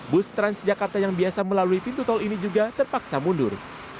bus transjakarta yang biasa melalui pintu tol ini juga terpaksa mundur